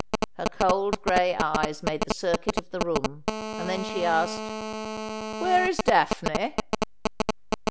Her cold gray eyes made the circuit of the room, and then she asked :' Where is Daphne